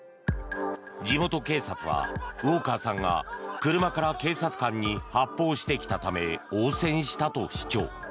地元警察はウォーカーさんが車から警察官に発砲してきたため応戦したと主張。